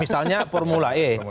misalnya formula e